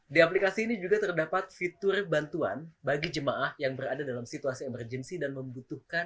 di aplikasi ini juga terdapat fitur bantuan bagi jemaah yang berada dalam situasi emergency dan membutuhkan